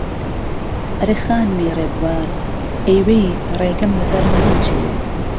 ئهرێ خانمی رێبوار، ئهی وهی رێگهم له بهر ناچێ